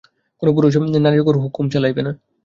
কোন পুরুষ নারীর উপর হুকুম চালাইবে না।